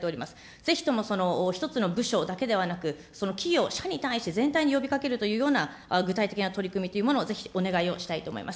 ぜひとも一つの部署だけではなく、その企業、社に対して全体に呼びかけるというような具体的な取り組みというものをぜひお願いをしたいと思います。